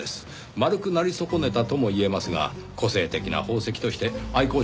丸くなり損ねたとも言えますが個性的な宝石として愛好者も多いんですよ。